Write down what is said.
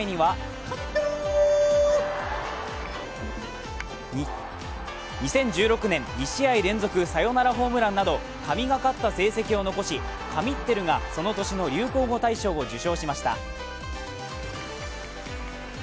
広島時代には２０１６年、２試合連続サヨナラホームランなど神がかった成績を残し、「神ってる」がその年の流行語大賞を受賞しました。